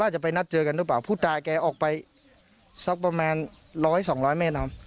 ชอบประมาณ๑๐๐๒๐๐เมตร